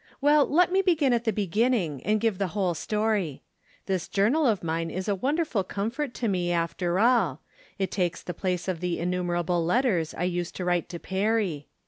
Well, let me begin at the beginning, and give the whole story. This journal of mine is a won derful comfort to me, after all ; it takes the place of the innumerable letters I used to write to Perry.